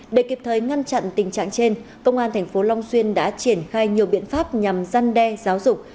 để kịp thời ngăn chặn tình trạng trên công an tp long xuyên đã triển khai nhiều biện pháp nhằm gian đe giáo dục